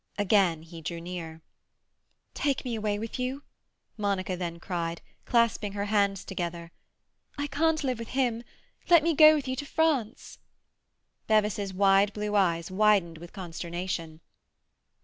Again he drew near. "Take me away with you!" Monica then cried, clasping her hands together. "I can't live with him. Let me go with you to France." Bevis's blue eyes widened with consternation.